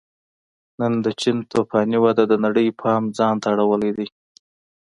نن د چین توفاني وده د نړۍ پام ځان ته اړولی دی